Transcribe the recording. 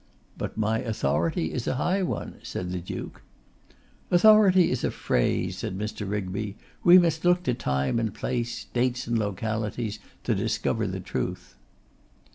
'But my authority is a high one,' said the Duke. 'Authority is a phrase,' said Mr. Rigby; 'we must look to time and place, dates and localities, to discover the truth.